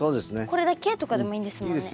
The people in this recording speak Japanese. これだけとかでもいいんですもんね？